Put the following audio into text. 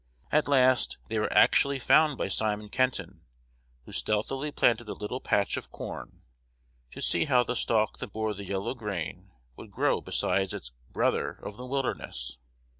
At last they were actually found by Simon Kenton, who stealthily planted a little patch of corn, to see how the stalk that bore the yellow grain would grow beside its "brother" of the wilderness.